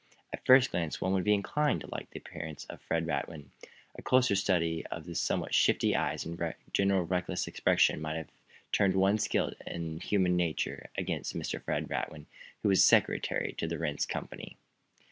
At first glance one would be inclined to like the appearance of Fred Radwin. A closer study of the somewhat shifty eyes and general reckless expression might have turned one skilled in human nature against Mr. Fred Radwin, who was secretary to the Rhinds Company.